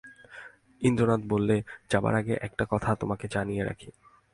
ইন্দ্রনাথ বললে, যাবার আগে একটা কথা তোমাকে জানিয়ে রাখি।